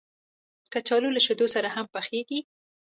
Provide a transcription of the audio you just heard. کچالو له شیدو سره هم پخېږي